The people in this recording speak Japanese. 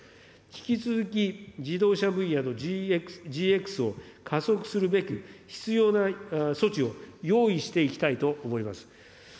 引き続き、自動車分野のＧＸを加速するべく、必要な措置を用意していきたいと思います。